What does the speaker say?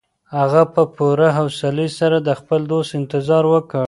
هغه په پوره حوصلي سره د خپل دوست انتظار وکړ.